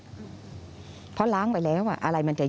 อยู่ดีมาตายแบบเปลือยคาห้องน้ำได้ยังไง